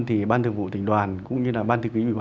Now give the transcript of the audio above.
thì ban thường vụ tỉnh đoàn cũng như là ban thường vụ